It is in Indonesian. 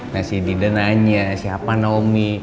nah si dida nanya siapa naomi